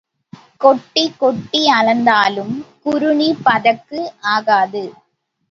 கொட்டிக் கொட்டி அளந்தாலும் குறுணி பதக்கு ஆகாது.